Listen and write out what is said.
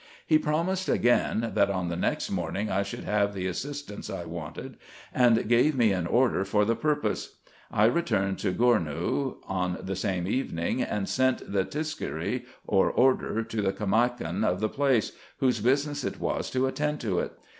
He promised again that, on the next morning, I should have the assistance I wanted, and gave me an order for the purpose. I returned to Gournou on the same evening, and sent the tiscarry, or order, to the Caimakan of the place, whose business it was to attend to it.